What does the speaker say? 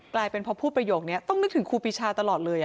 กลายเป็นพอพูดประโยคนี้ต้องนึกถึงครูปีชาตลอดเลย